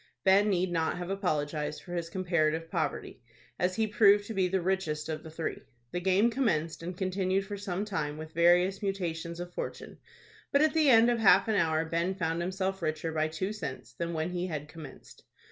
Ben need not have apologized for his comparative poverty, as he proved to be the richest of the three. The game commenced, and continued for some time with various mutations of fortune; but at the end of half an hour Ben found himself richer by two cents than when he had commenced.